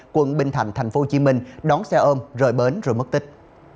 quận bình thạnh tp hcm đón xe ôm rời bến rồi mất tích